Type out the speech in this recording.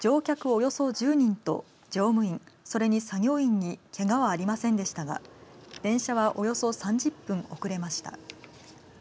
およそ１０人と乗務員それに作業員にけがはありませんでしたが電車はおよそ３０分遅れました。